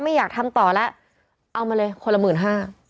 ไม่อยากทำต่อแล้วเอามาเลยคนละหมื่นห้า